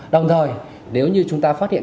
đồng thời nếu như chúng ta phát hiện